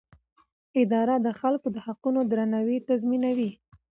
اداره د خلکو د حقونو درناوی تضمینوي.